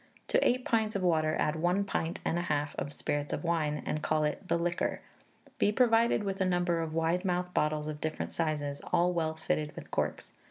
To eight pints of water, add one pint and a half of spirits of wine, and call it 'the liquor.' Be provided with a number of wide mouthed bottles of different sizes, all well fitted with corks.